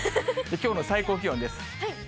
きょうの最高気温です。